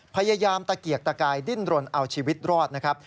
พยายามตะเกียกตะกายดิ้นรนเอาชีวิตรอดนะครับ